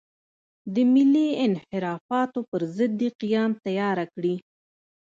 د ملي انحرافاتو پر ضد دې قیام تیاره کړي.